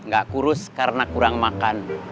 gak kurus karena kurang makan